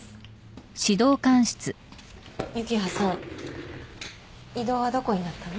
幸葉さん異動はどこになったの？